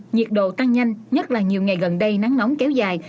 nhiệt độ tăng nhanh nhất là nhiều ngày gần đây nắng nóng kéo dài